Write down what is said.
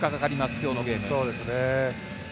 今日のゲーム。